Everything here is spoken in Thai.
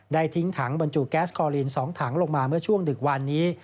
ทิ้งถังบรรจุแก๊สคอลิน๒ถังลงมาเมื่อช่วงดึกวันนี้